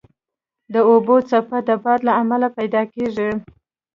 د اوبو څپه د باد له امله پیدا کېږي.